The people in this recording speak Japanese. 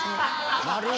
なるほど。